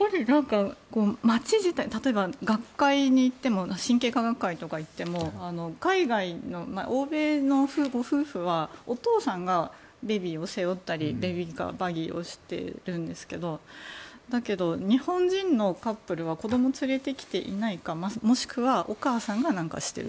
例えば神経科学会に行っても欧米のご夫婦はお父さんがベビーを背負ったりベビーカー、バギーを押してるんですけど日本人のカップルは子供を連れてきてはいないかもしくはお母さんが何かしている。